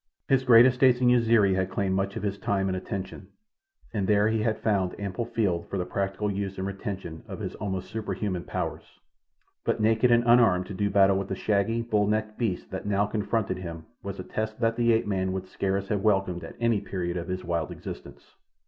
His great estates in Uziri had claimed much of his time and attention, and there he had found ample field for the practical use and retention of his almost superhuman powers; but naked and unarmed to do battle with the shaggy, bull necked beast that now confronted him was a test that the ape man would scarce have welcomed at any period of his wild existence.